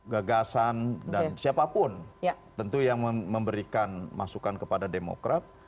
gagasan dan siapapun tentu yang memberikan masukan kepada demokrat